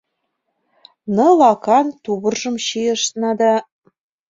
Ныл акан тувыржым чийышна да